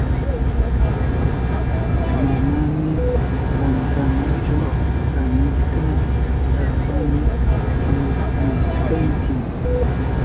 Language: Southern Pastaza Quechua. Manami wankanachu kanishka kashapimi chukrishkanki.